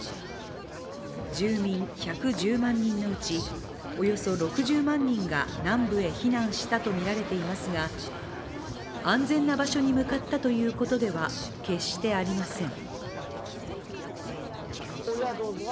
住民１１０万人のうちおよそ６０万人が南部に避難したとみられていますが安全な場所に向かったということでは決してありません。